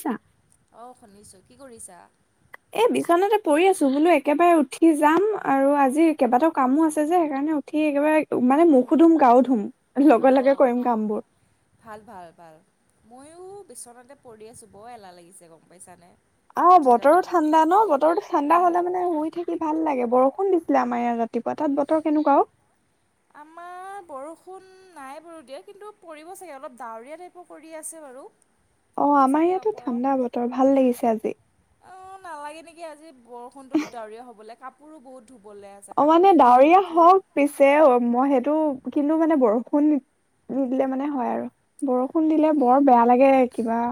ছা অহ' শুনিছো কি কৰিছা? এ, বিচনাতে পৰি আছো বোলো একেবাৰে উঠি যাম আৰু আজি কেইবাটাও কামো আছে যে সেইকাৰণে উঠি একেবাৰে মানে মুখো ধুম, গাও ধুম লগে লগে অঁ কৰিম কামবোৰ। ভাল ভাল ভাল। ময়ো বিচনাতে পৰি আছো, বৰ এলাহ লাগিছে গম পাইছানে? উঠি অ'বতৰো যাবলৈ ঠাণ্ডা ন? বতৰতো ঠাণ্ডা উম। হলে মানে শুই থাকি ভাল লাগে। বৰষুণ দি ছিলে আমাৰ ইয়াত ৰাতিপুৱা তাত বতৰ কেনেকোৱা অ? আমাৰ বৰষুণ নাই বাৰু দিয়া। কিন্তু, পৰিব চাগে অলপ ডাৱৰীয়া টাইপৰ কৰি আছে বাৰু। অ' আমাৰ ইয়াতো ঠাণ্ডা বতৰ ভাল লাগিছে। আজি অ 'নালাগে নেকি আজি বৰষুণটো ডাৱৰীয়া হবলে। কাপ অ' মানে ডাৱৰীয়া ধুই হওক পিছে মই সেইটো কিন্তু মানে বৰষুণ নিদিলে মানে হয় আৰু। বৰষুণ দিলে তাকে বৰ বেয়া লাগে কিবা।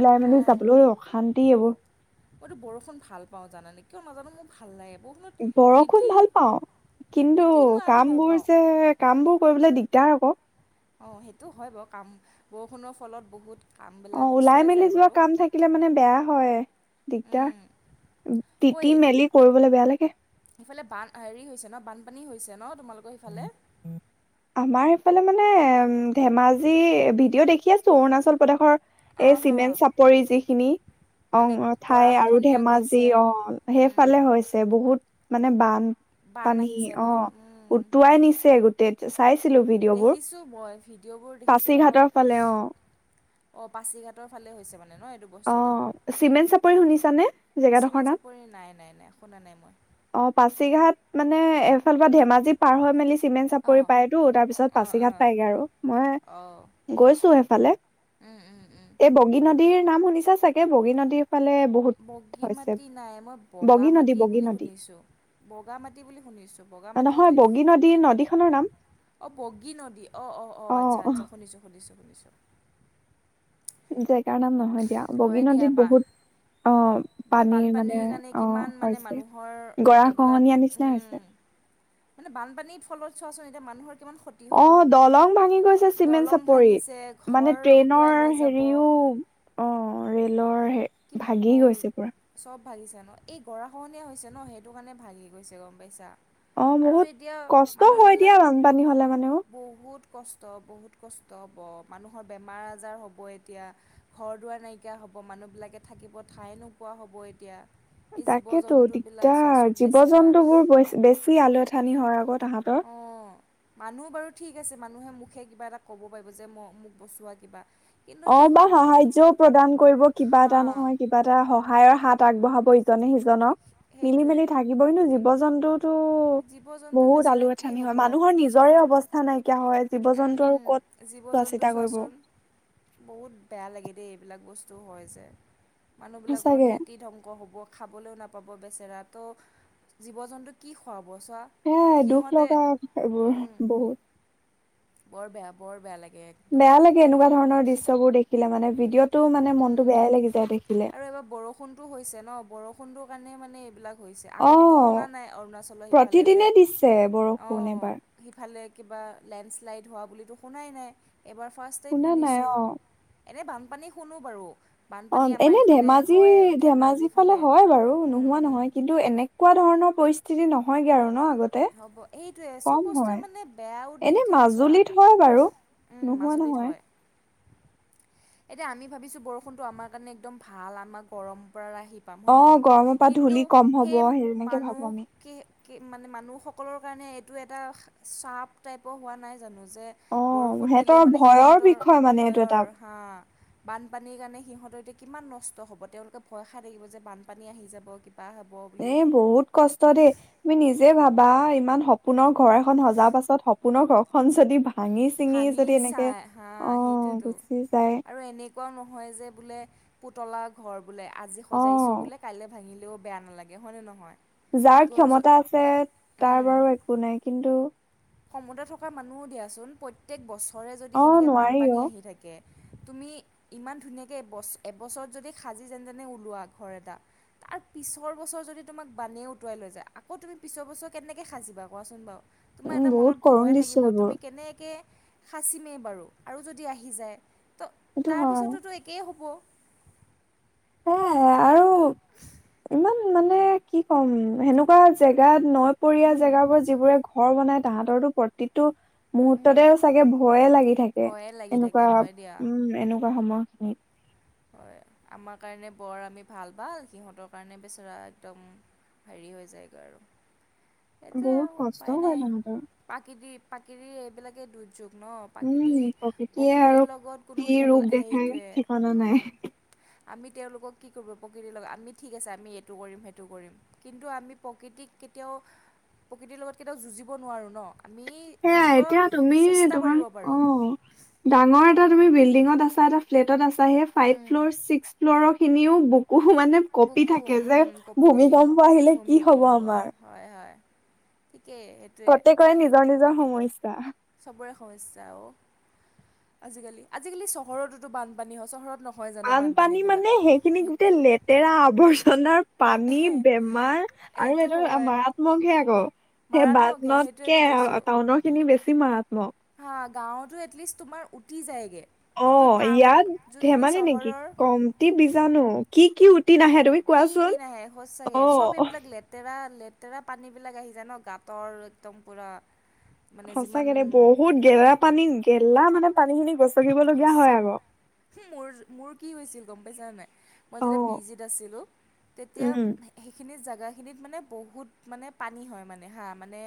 ওলাই মানি অঁ যাবলৈ অশান্তি এইবোৰ। মইতো বৰষুণ ভাল পাওঁ জানানে? কিয় নাজানো মোৰ ভাল লাগে। বৰষুণত বৰষুণ তিতি ভাল পাওঁ কিন্তু তিতি মই আৰু কাম ভাল বোৰ পাওঁ। যে কাম বোৰ কৰিবলৈ দিগ দাৰ আক। অ, সেইটো হয় বাৰু কাম বৰষুণৰ ফলত বহুত কামবিলাক অ' ওলাই পিছুৱাই মেলি যায় যোৱা বাৰু কাম থাকিলে মানে বেয়া হয়, উম, দিগদাৰ। তিতি-মেলি কৰিবলৈ বেয়া লাগে। ইফালে বান হেৰি হৈছে ন বানপানী হৈছে ন তোমালোকৰ সেইফালে? আমাৰ এফালে মানে উম ধেমাজি ভিডিঅ' দেখি আছো অৰুণাচল প্ৰদেশৰ এই অঁ হ চিমেণ্ট চাপৰি যিখিনি মানে অ' ঠাই আৰু গৰাখহনীয়া ধেমাজি গৈছে অ উম, সেইফালে হৈছে বহুত মানে বান বানপানী আহিছে ন অ' উম, উটুৱাই নিছে গোটেই চাই দেখিছো, মই ভিডিঅ'বোৰ দেখিছো নহয়। পাছিঘাটৰ ফালে অ অ, পাছিঘাটৰ ফালে হৈছে বাৰু ন এইটো অ বস্তুটো চিমেণ্ট চাপৰি শুনিছানে জেগাডোখৰ চিমেণ্ট নাম চাপৰি নাই, নাই, নাই শুনা নাই মই। অ, পাছিঘাট মানে এফালৰ পৰা ধেমাজি পাৰ হৈ মেলি চিমেণ্ট-চাপৰি অঁ পায়তো তাৰ পিছত অঁ পাচিঘাট অঁ পায়গে আৰু। মই অঁ গৈছো এফালে উম উম উম এই বগী নদীৰ নাম শুনিছা চাগে বগী নদীৰ? ফালে বহুত বগী হৈছে মাটি নাই, মই বগা বগী নদী মাটি বগী বুলি নদী শুনিছো। বগা মাটি বুলি শুনিছো বগা মাটিতো নহয় ই বগী নদী নদীখনৰ নাম অ' বগী নদী অ অ অ আচ্ছা আচ্ছা শুনিছো শুনিছো। শুনিছো। জেগাৰ নাম নহয় দিয়া। বগী দিয়া নদীত বা বহুত অ' পানীৰ মানে বানপানীৰ কাৰণে অ কিমান মানে হৈছে মানুহৰ গৰা এইবিলাক খহনীয়া নিচিনা হৈছে উম মানে বানপানীৰ ফলত চোৱাচোন এতিয়া মানুহৰ কিমান ক্ষতি অ, হ'ব দলং ভাঙি গৈছে, চিমেণ্ট দলং ভাঙিছে চাপৰিত। মানে ঘৰ উটুৱাই লৈ ট্ৰেইনৰ যাব হেৰিও অ, ৰেলৰ হে কি ভাগি অঁ গৈছে পুৰা। চব ভাগিছে ন? এই গৰা খহনীয়া হৈছে ন? সেইটো কাৰণে ভাগি গৈছে গম পাইছা। অ আৰু 'বহুত এতিয়া কষ্ট হয় মানুহবিলাক দিয়া। পানী হ'লে মানে অ। বহুত কষ্ট বহুত কষ্ট হ'ব মানুহৰ বেমাৰ-আজাৰ হ'ব এতিয়া। ঘৰ দুৱাৰ নাইকিয়া হ'ব। হ'ব মানুহবিলাকে থাকিব ঠাই নোপোৱা হ'ব এতিয়া। এই জীৱ তাকেতো জন্তুবিলাক চোৱাচোন দিগদাৰ। বেচেৰা জীৱ-জন্তু বোৰ বে বেছি আলু এথানি হয় আকৌ। তাহাঁতৰ অ' মানুহ বাৰু ঠিক আছে। মানুহে মুখে কিবা এটা ক'ব পাৰিব যে ম মোক বচোৱা কিবা। কিন্তু অ' বা সিহঁত সাহায্য প্ৰদান কৰিব কিবা হা এটা নহয়, কিবা এটা সহায়ৰ হাত আগবঢ়াবই। জনক সেইটোৱে মিলি-মিলি থাকিবই নো জীৱ-জন্তুতো জীৱ জন্তু বহুত আলু বেচেৰা কি আথানী হয় হ'ব মানুহৰ নিজৰে অৱস্থা নাইকিয়া হয়। জীৱ উম জন্তু আৰু হুম ক'ত চোৱা জীৱ-জন্তু চিতা কৰিব চোৱাচোন। বহুত বেয়া লাগে দেই এইবিলাক বস্তু হয় যে মানুহবিলাকৰ সঁচাকে খেতি ধ্বংস হ'ব। খাবলৈও নাপাব বেচেৰা ত' জীৱ-জন্তু কি খুৱাব। চোৱা হেয়া দুখ সিহঁতে লগা এইবোৰ বহুত। বৰ বেয়া, বৰ বেয়া লাগে- একদম বেয়া লাগে এনেকুৱা ধৰণৰ দৃশ্যবোৰ দেখিলে মানে ভিডিঅ'ত উম আৰু এইবাৰ বৰষুণটো হৈছে ন বৰষুণটো কাৰণে মানে এইবিলাক - হৈছে অ আগতেতো শুনা নাই অৰুণাচলৰ সিফালে যে প্ৰতিদিনে দিছে অ বৰষুণ এবাৰ সিফালে - কিবা লেণ্ডশ্লাইড হোৱা বুলিতো শুনাই নাই এবাৰ ফাৰ্ষ্ট টাইম শুনা নাই শুনিছোঁ। অ এনে বানপানী শুনো বাৰু। অ বানপানী আমাৰ এনে ইফালে হয় ধেমাজি-ধেমাজি ধেমাজিৰ ফালে হয় বাৰু নোহোৱা নহয় কিন্তু এনেকুৱা ধৰণৰ - পৰিস্থিতি নহয়গে আৰু ন। আগতে হ'ব সেইটোৱেই চব কম বস্তুৱে হয় মানে বেয়াও দিন এনে থাকে চোৱা। মাজুলীত হয় বাৰু উম নোহোৱা মাজুলীত নহয়। হয় এতিয়া আমি ভাবিছোঁ বৰষুণটো আমাৰ কাৰণে একদম ভাল আমাৰ গৰম - পৰা আহি পাম অ হয়নে নহয়। গৰমৰ পৰা কিন্তু ধূলি কম হব সেই তেনেকে ভাবো মানুহ আমি কি কি মানে মানুহ- সকলৰ কাৰণে এইটো এটা চাপ টাইপৰ হোৱা নাই - জানোঁ যে অ বৰষুণ দিলে সিহঁতৰ মানে ভয়ৰ সিহঁতৰ বিষয় মানে এইটো ভয়ৰ এটা হা বানপানীৰ কাৰণে সিহঁত- এতিয়া কিমান নষ্ট হ'ব তেওঁলোকে ভয় খাই থাকিব যে বানপানী আহি যাব - এ বহুত কষ্ট দেই তুমি নিজে ভাব - বা ইমান সপোনৰ ঘৰ এখন সজা পাছত সপোনৰ ঘৰখন যদি - ভাঙি চাই হা সেইটোতো গুচি যায় আৰু এনেকুৱাও নহয় যে বোলে - পুতলা ঘৰ বোলে আজি অ সজাইছোঁ বোলে কাইলৈ ভাঙিলেও বেয়া নালাগে হয়নে নহয়। যাৰ ক্ষমতা আছে তাৰ বাৰু একো নাই কিন্তু সমুদ্ৰ থকা মানুহো দিয়াচোন প্ৰত্যেক বছৰে যদি অ সেনেকে নোৱাৰি বানপানী অ আহি থাকে। তুমি ইমান ধুনীয়াকে এবছৰত যদি সাজি যেনতেনে ওলোৱা ঘৰ এটা - আৰু পিছৰ বছৰ যদি তোমাক বানে উটুৱাই লৈ যায়। আকৌ তুমি পিছৰ বছৰ কেনেকৈ সাজিবা কোৱাচোন বাৰু। তোমাৰ উম এটা বহুত মনত কৰুণ ভয় দৃশ্য থাকিব এইবোৰ তুমি কেনেকৈ সাঁচিমেই বাৰু আৰু যদি আহি যায়। তো সেইটো হয় তাৰপিছতো একেই হ'ব। সেয়াই আৰু ইমান। মানে কি ক'ম সেনেকুৱা জেগাত নৈপৰীয়া উম, জেগাবোৰ যি বোৰ ঘৰ বনাই - তাহঁতৰো প্ৰতিটো - উম, মুহুৰ্ততে চাগে ভয়ে লাগি থাকে হয়ে লাগি থাকে এনেকুৱা হয় দিয়া উম এনেকুৱা সময়। হুম। হয় আমাৰ কাৰণে বৰ আমি ভাল-বা সিহঁতৰ কাৰণে বেচেৰা একদম - হেৰি হৈ যায় গৈ আৰু। সেইটোৱেই বহুত কষ্ট উপায় হয় নাই তাহাঁতৰ পাকিৰি-পাকিৰি এইবিলাকে দু যুগ ন, উম প্ৰাকৃতি প্ৰকৃতিয়ে আৰু প্ৰকৃতিৰ লগত কি কোনো খেল ৰূপ দেখাই সেইটোৱেই ঠিকনা [inaudible] আমি তেওঁলোকক কি কৰিব প্ৰকৃতিৰ লগত আমি ঠিক আছে আমি এইটো কৰিম সেইটো কৰিম, কিন্তু আমি প্ৰকৃতিক কেতিয়াও প্ৰকৃতিৰ লগত কেতিয়াও যুঁজিব নোৱাৰোঁ ন। আমি সেয়া যুঁজিব এতিয়া তুমি চেষ্টা তোমাৰ কৰিব পাৰোঁ অঁ ডাঙৰ এটা তুমি বিল্ডিঙত আছা এটা ফ্লেটত আছা সেই ফাইভ উম। ফ্ল'ৰ, ছিক্স ফ্ল'ৰখিনিও ব কুহু মানে কঁপি বুকু থাকে যে উম, কঁপি থাকিব ভূমিকম্প আহিলে কি হব ভূমিকম্প আমাৰ। হয় হয় ঠিকেই সেইটোৱে প্ৰত্যেকৰে নিজৰ-নিজৰ সমস্যা। চবৰে সমস্যা অঁ, আজিকালি-আজিকালি চহৰতো বানপানী হয় চহৰত নহয় জানো বানপানী বানপানীবিলাক মানে সেইখিনি সেইটো গোটেই লেতেৰা আৱৰ্জনাৰ পানী, বেমাৰ আৰু সেইটো এইটো হয় মাৰাত্মক হে আকৌ। সেই মাৰাত্মকে সেইটোৱেতো বানতকে কৈছোঁ টাউনৰ খিনি বেছি মাৰাত্মক। হা গাঁৱতো এটলিষ্ট তোমাৰ উটি যায়গে। অ ইয়াত ধেমালি নেকি চহৰৰ কমটি বিজাণু কি কি উ কি কি নাহে সঁচাকে চব অ'। এইবিলাক লেতেৰা লে লেতেৰা পানী বিলাক আহি যায় ন গাঁতৰ একদম পুৰা। সঁচাকেৰে বহুত গেলা পানী, গেলা মানে পানী খিনি গৈছ সচা, মোৰ মোৰ কি হৈছিল গম পাইছা নাই? মই যেতিয়া পি অ' জিত আছিলোঁ, তেতিয়া উম সেইখিনি জাগাত সেইখিনিত মানে বহুত পানী হয় মানে হা মানে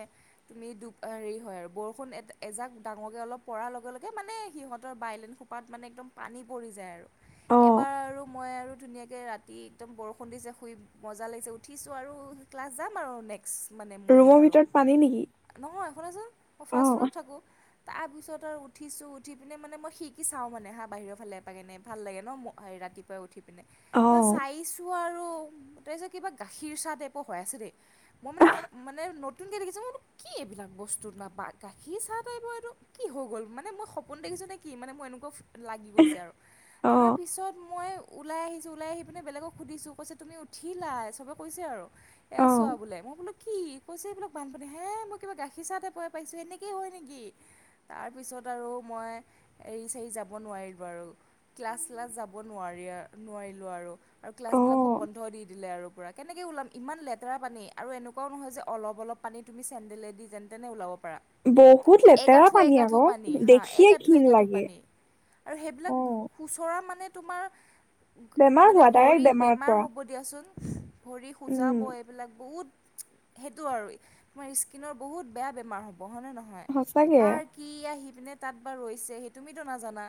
তুমি হেৰি হয় বৰষুণ এ এজাক ডাঙৰকৈ অলপ পৰাৰ লগে লগে মানে সিহঁত ত বাইলেন খোপাত মানে একদম পানী পৰি যায় আৰু অ' এবাৰ আৰু মই আৰু ধুনীয়াকৈ ৰাতি একদম বৰষুণ দিছে শুই মজা লাগিছে উঠিছো আৰু ক্লাছ যাম আৰু এনেকে ক্স মানে মৰ্ণিং ৰুমৰ আৰু ভিতৰত পানী নেকি? নহয় শুনাচোন ফাৰ্ষ্ট অ' ফ্ল'ৰত থাকোঁ। তাৰ পিছত আৰু উঠিছো উঠি পিনে মানে মই খিৰকি চাওঁ মানে হা বাহিৰৰ ফালে এ এপাক এনে ভাল লাগে ন ম ৰাতিপুৱাই উঠি পিনে তাৰ অ' চাইছোঁ আৰু ত যে কিবা গাখীৰ চাহ টাইপৰ হোৱা আছে দেই, মই মানে মানে নতুনকে দেখিছো মই বোলো কি এইবিলাক? বস্তু নাপাই গাখীৰ চাহ টাইপটো কি হৈ গ'ল? মানে মই স পোন দেখিছ নে কি? মানে মোৰ এনেকুৱা লাগি গৈছে আৰু অ' তাৰপিছত মই ওলাই আহিছোঁ, ওলাই আহি পিনে বেলেগক সুধিছোঁ কৈছে তুমি উঠিলা চবে কৈছে আৰু এয়া চোৱা অ' বোলে। মই বোলো কি কৈছে এই বোলাক বানপানী হে মই কিবা গাখীৰ চাহ টাইপৰ পাইছোঁ এনেকৈ হয় নেকি? তাৰপিছত আৰু মই এৰি চৰি যাব নোৱাৰিলো বাৰু ক্লাছ ক্লাছ যাব নোৱাৰি আ নোৱাৰিলোঁ আৰু আৰু ক্লাছবিলাকো অ' বন্ধ দি দিলে আৰু পূৰা কেনেকৈ ওলাম ইমান লেতেৰা পানী আৰু এনেকুৱাও নহয় যে অলপ অলপ পানী তুমি চেণ্ডেলে দি যেনতেনে ওলাব পাৰা বহুত লেতেৰা পানী আকৌ দেখি একাআঠু একআঠু পানী, আৰু সেইবিলাক অ', খুচৰা মানে তোমাৰ বেমাৰ মানে হোৱা ডাইৰেক্ট ভৰি বেমাৰত বেমাৰ পৰা হ'ব দিয়াচোন। ভৰি উম খুজাব এইবিলাক বহুত সেইটো আৰু তোমাৰ স্কিনৰ বহুত বেয়া বেমাৰ হ'ব। হয় নে নহয়? সঁচাকে কাৰ কি আহি পিনে তাত বা ৰৈছে সেই তুমিতো নাজানা।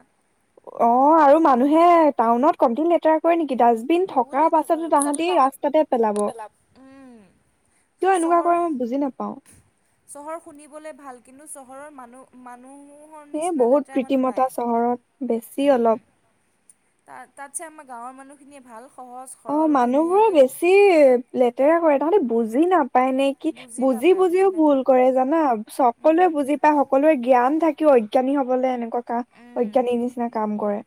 অ আৰু মানুহে টাউনত কমটি লেতেৰা কৰে নে ডাষ্টবিন বহুত থকাৰ লেতেৰা কৰে পাছতো বহুত তাহাঁতি ৰাস্তাতে পেলাব। লেতেৰা উম কিয় এনেকুৱা চহৰ, কৰে মই বুজি নাপাও চহৰ শুনিবলৈ ভাল। কিন্তু চহৰৰ মানুহ মানুহ এ নিচিনা বহুত লেতেৰা নাই কৃত্ৰিমতা চহৰত। বেছি উম, অলপ ত তাতছে আমাৰ গাঁৱৰ মানুহখিনিয়ে ভাল। সহজ অ সৰল মানুহবোৰে ধুনীয়াকৈ বেছি লেতেৰা কৰে, তাহতে বুজি নাপ পায় নে কি বুজি বুজিও ভুল কৰে জানা সকলোৱে উম বুজি পায় সকলোৰে জ্ঞান থাকে। কি অজ্ঞানী হ'বলে এনেকুৱা উম অজ্ঞানি নিচিনা কাম কৰে,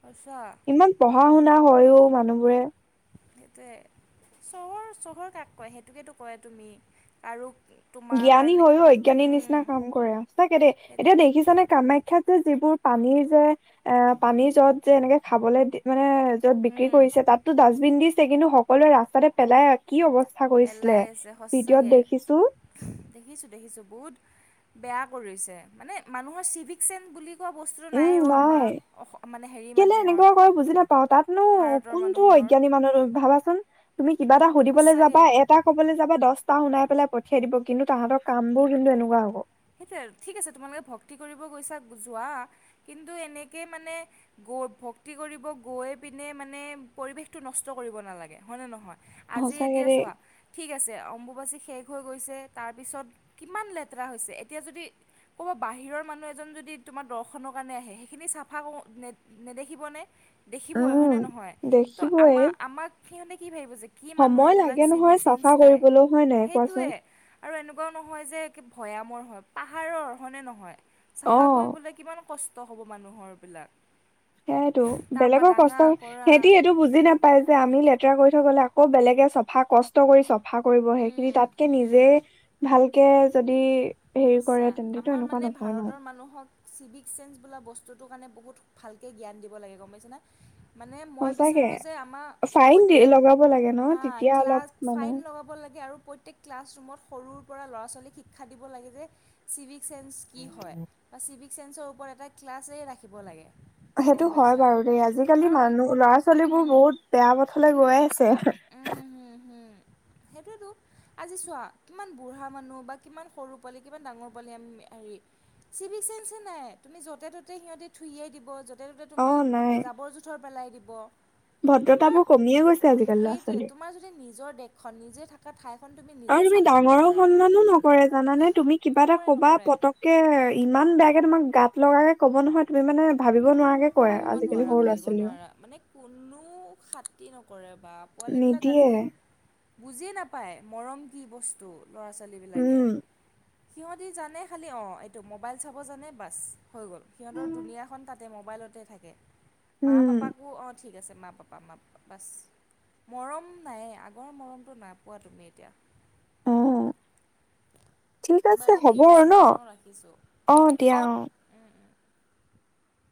সঁচা ইমান পঢ়া-শুনা না হয়ও মানুহবোৰে সেইটোৱে চহৰ চহৰ কাক কয় সেইটোকেতো কয় তুমি আৰু তোমাৰ জ্ঞানী কাৰণে হৈয়ও অজ্ঞানীৰ উম নিচিনা কাম সঁচাকে দেই সেইটো এতিয়া দেখিছানে কামাখ্যাত যে যিবোৰ পানীৰ জাৰ অ পানীৰ জাৰত যে এনেকে খাবলৈ দি মানে য'ত বিক্ৰী উম কৰিছে তাতো ডাষ্টবিন দিছে কিন্তু সকলোৱে ৰাস্তাতে পেলাই কি অৱস্থা। কৰিছিলে পেলাই আছে সঁচাকৈ ভিডিঅ' ত দেখিছো। দেখিছোঁ দেখিছোঁ বহুত বেয়া কৰিছে মানে মানুহৰ চিভিক চেন্ বুলি কোৱা বস্তুটো উম অ' নাই আমাৰ মানে হেৰি কেলে মানুহৰ এনেকুৱা কৰে বুজি নাপাওঁ তাত নো ভাৰতৰ কোনটো মানুহৰ জ্ঞানী মানুহ ভাবা চোন তুমি কিবা এটা সুধিবলে যাবা সঁচাকৈ এটা কবলে যাবা দছ শুনাই পেলাই পঠিয়াই দিব কিন্তু তাহাঁতৰ কাম বোৰ কিন্তু এনেকুৱা হ'ব। সেইটোৱে ঠিক আছে তোমালোকে ভক্তি কৰিব গৈছা যোৱা। কিন্তু এনেকে মানে ভক্তি কৰিব গৈ পিনে মানে পৰিৱেশটো নষ্ট কৰিব নালাগে। হয়নে নহয়? আজি সঁচাকে এতিয়া দেই চোৱা, ঠিক আছে অম্বুবাচী শেষ হৈ গৈছে তাৰ পিছত কিমান লেতেৰা হৈছে। এতিয়া যদি ক'বা বাহিৰৰ মানুহ এজন যদি তোমাৰ দৰ্শনৰ কাৰণে আহে সেইখিনি চাফা [unintelligible] নেদেখিব নে? দেখিব হয় উম, নে নহয়? কিন্ত আম দেখিবয়ে আমাক সিহঁতে কি ভাবিব কি মানুহ সময় এইবিলাক লাগে চি নহয় চেন চাফা নাই। কৰিবলৈও হয় নাই কোৱাচোন? সেইটোয়ে আৰু এনেকুৱাও নহয় যে ভৈয়ামৰ হয়। পাহাৰৰ অৰ্হনে নহয়? চাফা অ'। কৰিবলৈ কিমান কষ্ট হ'ব মানুহৰবিলাক। সেইয়েতটো তাৰপৰা বেলেগৰ ডাঙা কষ্টৰ কৰা সিহঁতি সেইটো বুজি নাপাই যে আমি লেতেৰা কৰি থ গ'লে আক আকৌ বেলেগে চফা কষ্ট কৰি চফা কৰিবহে খিনি উম তাতকে উম নিজে ভাল কে যদি হেৰি কৰে আচ্ছা তেন্তেতো আমাৰ এনেকুৱা মানে নকয় ন' ভাৰতৰ মানুহক চিভিক-চেন্স বোলা বস্তুটোৰ কাৰণে বহুত ভালকৈ জ্ঞান দিব লাগে গম পাইছেনে। মানে মই সঁচাকে। বিচাৰোঁ যে আমাৰ ফাইন দি প্ৰত্যেক লগাব লাগে ন' হা তেতিয়া অলপ ক্লাছ মানে ফাইন লগাব লাগে আৰু প্ৰত্যেক ক্লাছৰুমত সৰুৰ পৰা ল'ৰা-ছোৱালীক শিক্ষা দিব লাগে যে চিভিক চেস কি হয় বা চিভিক চেন্সৰ ওপৰত এটা ক্লাছে ৰাখিব লাগে। গম সেইটো হয় পাইছা বাৰু দেই। আজিকালি মানুহ ল'ৰা-ছোৱালী বোৰ কাৰণ বহুত বেয়া পথলৈ গৈ আছে। উম হম উম। সেইটতো আজি চোৱা কিমান বুঢ়া মানুহ বা কিমান সৰু পোৱালি কিমান ডাঙৰ পোৱালি আমি হেৰি চিভ চেসন নাই। তুমি যতে ত'তে সিহঁতে থুইয়াই দিব তাতে ততে তোমাৰ জাবৰ জোঁথৰ পেলাই দিব। ভদ্ৰতা বোৰ কমিয়ে গৈছে আজি। সেইটোয়ে তোমাৰ যদি নিজৰ দেশখন নিজে থকা ঠাই আৰু তুমি ডাঙৰো সন্মানো নকৰে জানানে? তুমি কিবা এটা নকৰে কবা নকৰে পতককে ইমান তোমাক গাত লগাকে ক'ব নহয় তুমি মে ভাবিব নোৱাৰাকে কয় ভাবিব আজিকালি নোৱাৰা সৰু ল'ৰা ভাবিব ছোৱালীয়েও নোৱাৰা। মানে কোনো খতি নকৰে বা পোৱালিবিলাক নিদিয়ে আজি বুজিয় নাপায় মৰম কি বস্তু। ল'ৰা-ছোৱালীবিলাকে? উম সিহঁতি জানে খালি অ' এইটো মোৱাইল চাব জানে বাছ হৈ গ'ল। সিহঁতৰ দুুনীয়াখন তাতে মোৱাইলতে তে থাকে উম মা-পাপাকো অ' ঠিক আছে মা পাপা মা পাপা বাছ। মৰম নাই আগৰ মৰমটো নাপোৱা তুমি এতিয়া। অৱ। বাৰু ঠিক আছে দিয়া ন ৰাখিছো। অ 'উম, উম।